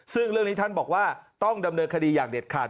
ซึ่งเรื่องนี้ท่านบอกว่าต้องดำเนินคดีอย่างเด็ดขาด